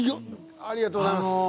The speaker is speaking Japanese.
ありがとうございます！